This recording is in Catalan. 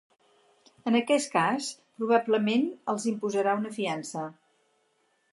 En aquest cas, probablement els imposarà una fiança.